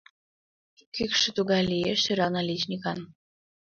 Кӱкшӧ тугай лиеш, сӧрал наличникан.